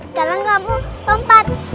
sekarang kamu lompat